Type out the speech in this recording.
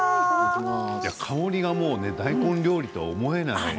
香りが、もう大根料理と思えないね。